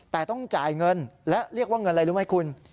แต่ต้องจ่ายเงินและเรียกว่าเงินอะไรรู้ไหมคุณ